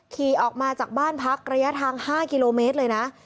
ขี่ออกมาจากบ้านพักระยะทาง๕กิโลเมตรเลยนะ